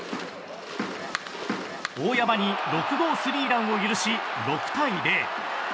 大山に６号スリーランを許し６対０。